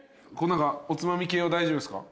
おつまみ系は大丈夫ですか？